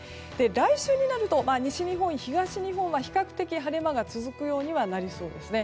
来週になると西日本、東日本は比較的、晴れ間が続くようにはなりそうですね。